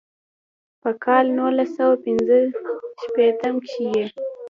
پۀ کال نولس سوه پينځه شپيتم کښې ئې